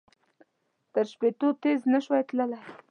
تر شپېتو تېز نه شول تللای.